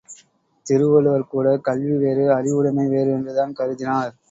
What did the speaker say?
திருவள்ளுவர் கூட கல்வி வேறு அறிவுடைமை வேறு என்றுதான் கருதினார்.